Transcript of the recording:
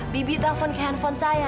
bibi telepon ke handphone saya